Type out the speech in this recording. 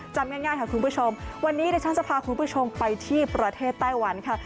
จำง่ายค่ะคุณผู้ชมวันนี้เดี๋ยวฉันจะพาคุณผู้ชมไปที่ประเทศไต้หวันค่ะ